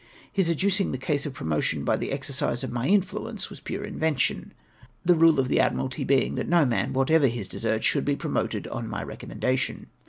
His adducing the case of promotion by the exercise of my mfluence, was pure invention, tire rule of the Admiralty being that no ■man, ichaterer his deserts., should he promoted on my recommendation.